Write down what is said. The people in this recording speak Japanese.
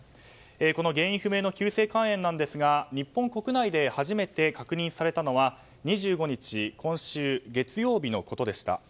この原因不明の急性肝炎なんですが日本国内で初めて確認されたのは２５日今週月曜日のことでした。